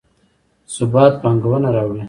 ثبات پانګونه راوړي